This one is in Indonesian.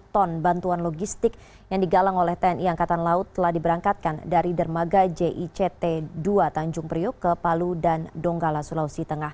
satu ton bantuan logistik yang digalang oleh tni angkatan laut telah diberangkatkan dari dermaga jict dua tanjung priuk ke palu dan donggala sulawesi tengah